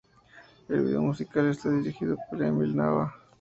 El vídeo musical está dirigido por Emil Nava.